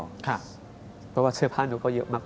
บ๊วยบ๊วยเพราะว่าเสื้อผ้านุกก็เยอะมาก